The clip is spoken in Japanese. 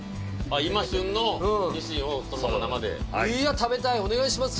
今旬のニシンをそのまま生ではいいや食べたいお願いします